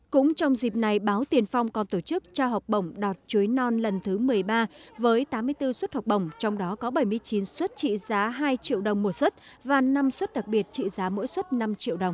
cũng trong dịp này báo tiền phong còn tổ chức trao học bổng đọt chuối non lần thứ một mươi ba với tám mươi bốn suất học bổng trong đó có bảy mươi chín suất trị giá hai triệu đồng một suất và năm suất đặc biệt trị giá mỗi suất năm triệu đồng